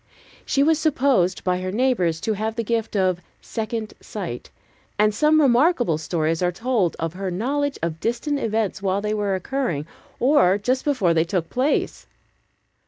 She was supposed by her neighbors to have the gift of "second sight"; and some remarkable stories are told of her knowledge of distant events while they were occurring, or just before they took place.